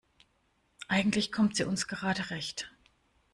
Eigentlich kommt sie uns gerade recht.